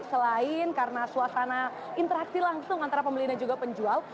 selain karena suasana interaksi langsung antara pembeli dan juga penjual